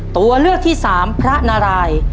ตัวเลือกที่สามพระนาราย